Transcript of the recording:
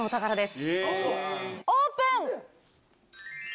オープン！